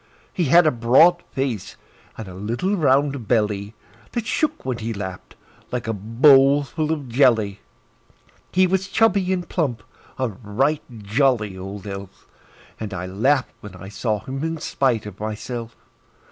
He had a broad face, and a little round belly That shook when he laughed, like a bowl full of jelly. He was chubby and plump a right jolly old elf; And I laughed when I saw him in spite of myself.